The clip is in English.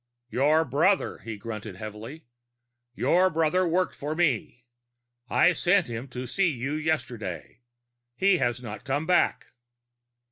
"Your brother," he grunted heavily. "Your brother worked for me. I sent him to see you yesterday. He has not come back."